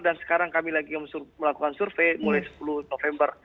dan sekarang kami lagi melakukan survei mulai sepuluh november